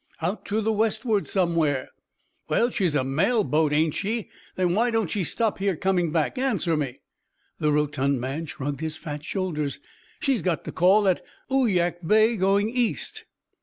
"Out to the westward somewhere." "Well, she's a mail boat, ain't she? Then why don't she stop here coming back? Answer me!" The rotund man shrugged his fat shoulders. "She's got to call at Uyak Bay going east."